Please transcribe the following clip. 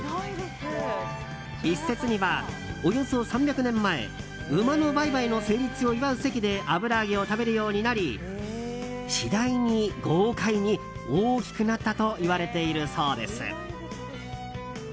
一説には、およそ３００年前馬の売買の成立を祝う席で油揚げを食べるようになり次第に豪快に大きくなったといわれているそうです。